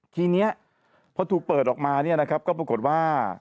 ทีนี้พอถูกเปิดออกมาก็ปรากฏว่า